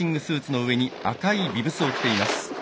スーツの上に赤いビブスを着ています。